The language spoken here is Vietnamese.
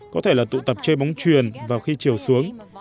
có thể là tụ tập chơi bóng truyền vào khi chiều xuống